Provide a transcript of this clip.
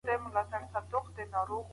چپو او راستو ډلو تاريخ خراب کړ.